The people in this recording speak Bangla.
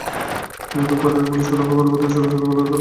বিক্ষোভকারীরা পুলিশকে লক্ষ্য করে পাথর ছোড়া শুরু করলে তারা গুলি ছোড়ে।